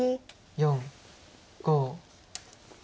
４５。